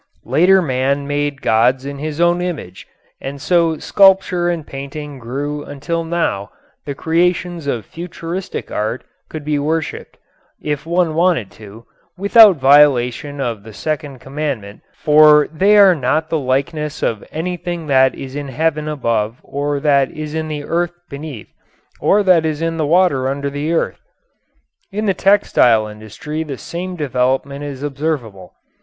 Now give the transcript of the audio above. Later man made gods in his own image, and so sculpture and painting grew until now the creations of futuristic art could be worshiped if one wanted to without violation of the second commandment, for they are not the likeness of anything that is in heaven above or that is in the earth beneath or that is in the water under the earth. In the textile industry the same development is observable.